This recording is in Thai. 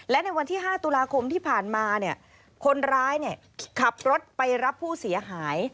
และในวันที่๕ตุลาคมที่ผ่านมาคนร้ายขับรถไปรับผู้เสียหาย